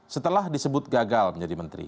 setelah disebut gagal menjadi menteri